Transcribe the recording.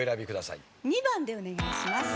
２番でお願いします。